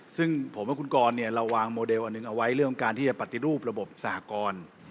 ซึ่งผมว่าคุณกรเราวางโมเดลอันหนึ่งเอาไว้เรื่องการที่จะปฏิรูประบบสหกร